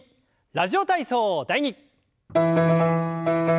「ラジオ体操第２」。